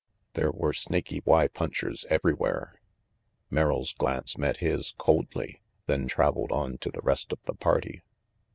There were Snaky Y punchers everywhere. Merrill's glance met his coldly, then traveled on to the rest of the party.